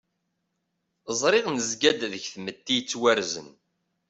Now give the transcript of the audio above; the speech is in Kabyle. Ẓriɣ nezga-d deg tmetti yettwarzen.